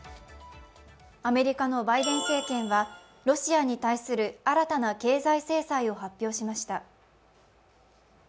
アメリカのバイデン政権はロシアに対する新たな経済制裁を発表しました。